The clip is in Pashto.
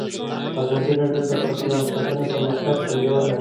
ازادي راډیو د چاپیریال ساتنه پرمختګ سنجولی.